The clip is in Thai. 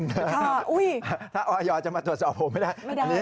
ถ้าออยจะมาตรวจสอบผมไม่ได้